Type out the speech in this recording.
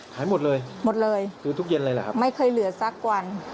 ขายหมดเลยหมดเลยไม่เคยเหลือสักวัน